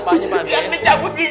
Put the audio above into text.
lihat nih cabut gigi emas